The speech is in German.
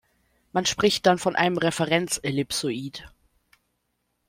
Man spricht dann von einem Referenzellipsoid.